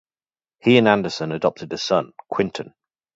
He and Anderson adopted a son, Quinton.